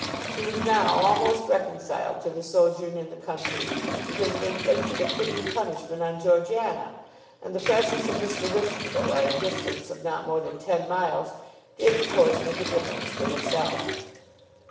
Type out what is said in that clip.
She was now almost reconciled to the sojourn in the country, because it inflicted a fitting punishment on Georgiana, and the presence of Mr. Whitstable at a distance of not more than ten miles did of course make a difference to herself.